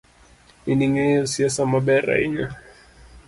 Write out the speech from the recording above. In ingeyo siasa maber ahinya.